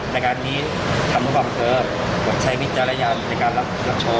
ในวันนี้ทำไม่ความเกิดใช้วิจารณ์มาโดยเนินใจในการรับความรับชม